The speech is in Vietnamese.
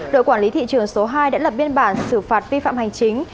đội quản lý thị trường số hai đã lập biên bản xử phạt vi phạm hành chính